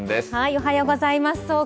おはようございます。